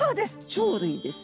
鳥類です。